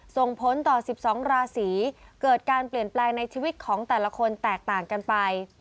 ส่งผลต่อ๑๒ราศีเกิดการเปลี่ยนแปลงในชีวิตของแต่ละคนแตกต่างกันไป